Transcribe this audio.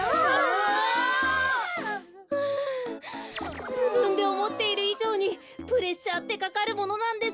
ふじぶんでおもっているいじょうにプレッシャーってかかるものなんですね。